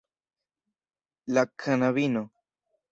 La knabino.